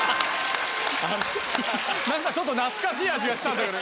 なんかちょっと懐かしい味がしたんだけど。